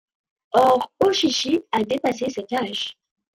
Or Oshichi a dépassé cet âge.